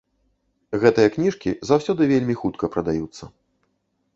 Гэтыя кніжкі заўсёды вельмі хутка прадаюцца.